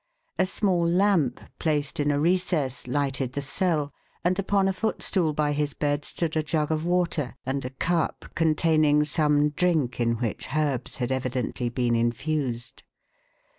A small lamp, placed in a recess, lighted the cell; and upon a footstool by his bed stood a jug of water, and a cup containing some drink in which herbs had evidently been infused.